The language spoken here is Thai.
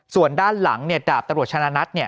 ส่วนด้านหลังดาบตำรวจชนะนัท